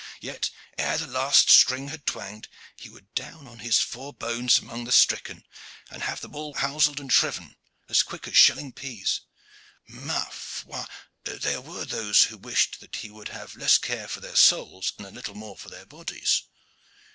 Yet, ere the last string had twanged, he would be down on his four bones among the stricken, and have them all houseled and shriven, as quick as shelling peas. Ma foi! there were those who wished that he would have less care for their souls and a little more for their bodies!"